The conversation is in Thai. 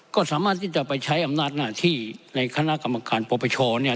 ก็สามารถที่จะไปใช้อำนาจหน้าที่ในคณะกรรมการปปชเนี่ย